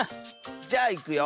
じゃあいくよ。